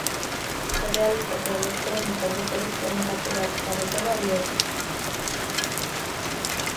Errealitate elektroniko boteretsuenetako bat zaretela diote.